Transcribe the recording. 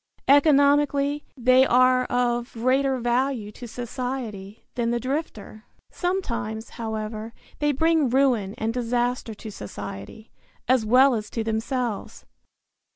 Economically they are of greater value to society than the drifter. Sometimes, however, they bring ruin and disaster to society, as well as to themselves.